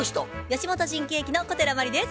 吉本新喜劇の小寺真理です。